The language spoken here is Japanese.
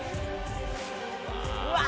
うわ！